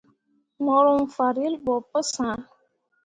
Ŋmorŋ fan relbo pu sãã.